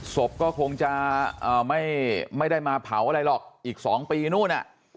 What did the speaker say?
ศพก็คงจะไม่ได้มาเผาอะไรหรอกอีก๒ปีนู่น